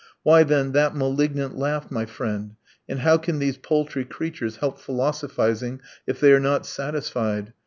"Why, then, that malignant laugh, my friend, and how can these paltry creatures help philosophizing if they are not satisfied?